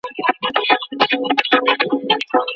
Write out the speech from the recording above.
علمي سیمینار په زوره نه تحمیلیږي.